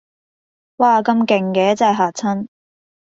嘩咁勁嘅真係嚇親